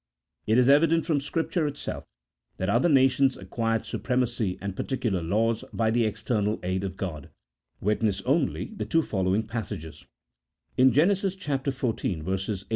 It is evi dent from Scripture itself that other nations acquired supremacy and particular laws by the external aid of God ; witness only the two following passages :— In Genesis xiv.